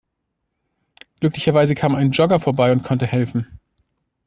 Glücklicherweise kam ein Jogger vorbei und konnte helfen.